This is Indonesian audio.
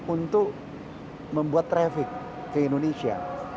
untuk membuat traffic ke indonesia